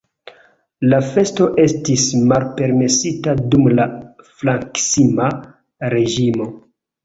La festo estis malpermesita dum la Frankisma reĝimo.